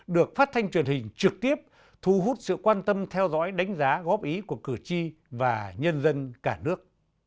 được phát thanh truyền hình trực tiếp thu hút sự quan tâm theo dõi đánh giá góp ý của cử tri và nhân dân cả nước